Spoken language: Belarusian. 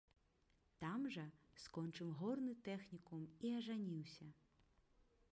Там жа скончыў горны тэхнікум і ажаніўся.